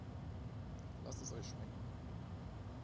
Lasst es euch schmecken!